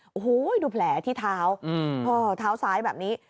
โอ้โหดูแผลที่เท้าเท้าซ้ายแบบนี้